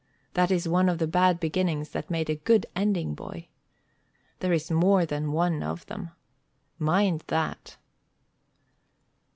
That is one of the bad beginnings that made a good ending, boy. There is more than one of them. Mind that."